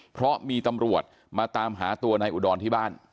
เพราะมีตำรวจมาตามหาตัวนายอุดรที่บ้าน